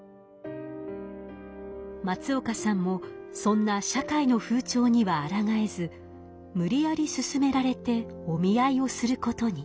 松岡さんもそんな社会の風潮にはあらがえず無理やり勧められてお見合いをすることに。